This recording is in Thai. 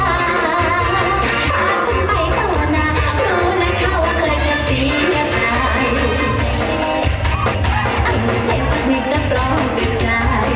อันเสร็จสุดมีจะปลอดภัยต้องรอใจไว้ลองแล้วจะรู้ว่าฉันอร่อย